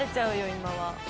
今は。